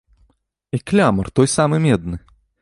І клямар той самы медны!